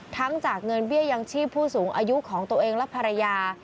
จากเงินเบี้ยยังชีพผู้สูงอายุของตัวเองและภรรยา